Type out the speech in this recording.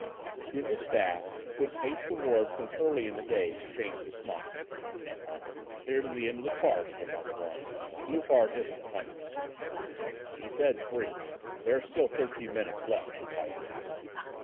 Two of the staff who had paced the ward since early in the day exchanged a smile. "Here's the end of the farce," remarked one; "Loupart isn't coming." "He said three; there are still thirteen minutes left," replied the other.